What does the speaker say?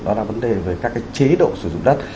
đó là vấn đề về các chế độ sử dụng đất